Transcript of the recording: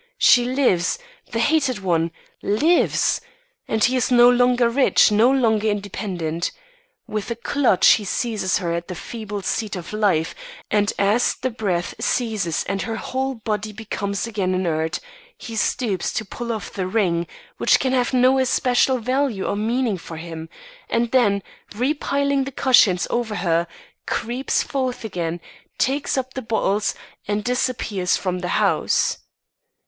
She lives the hated one lives! And he is no longer rich, no longer independent. With a clutch, he seizes her at the feeble seat of life; and as the breath ceases and her whole body becomes again inert, he stoops to pull off the ring, which can have no especial value or meaning for him and then, repiling the cushions over her, creeps forth again, takes up the bottles, and disappears from the house.